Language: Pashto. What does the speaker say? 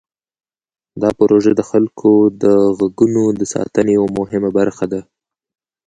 دا پروژه د خلکو د غږونو د ساتنې یوه مهمه برخه ده.